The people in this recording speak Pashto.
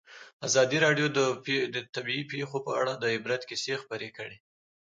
ازادي راډیو د طبیعي پېښې په اړه د عبرت کیسې خبر کړي.